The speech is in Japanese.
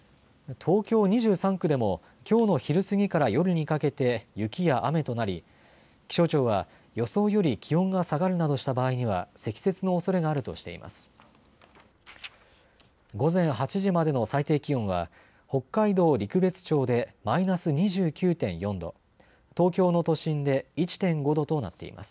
東京２３区でもきょうの昼過ぎから夜にかけて雪や雨となり気象庁は予想より気温が下がるなどした場合には積雪のおそれがあるとしています。